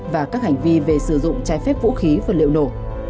và các hành vi về sử dụng trái phép vũ khí vật liệu nổ